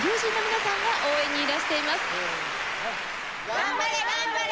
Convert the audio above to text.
頑張れ頑張れ！